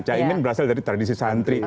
caimin berasal dari tradisi santri